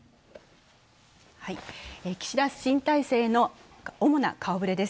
岸田新体制の主な顔ぶれです。